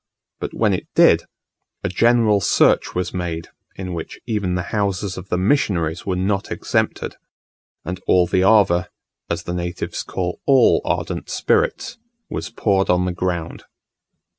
But when it did, a general search was made, in which even the houses of the missionaries were not exempted, and all the ava (as the natives call all ardent spirits) was poured on the ground.